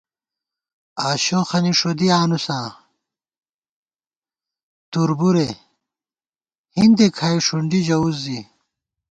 آشوخَنی ݭُدِی آنُوساں تُربُرے ، ہِندے کھائی ݭُنڈی ژَوُس زِی